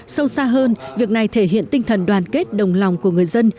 sâu xa hơn việc này thể hiện tinh thần đoàn kết đồng lòng của người dân